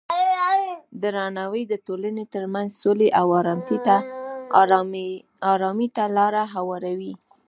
درناوی د ټولنې ترمنځ سولې او ارامۍ ته لاره هواروي.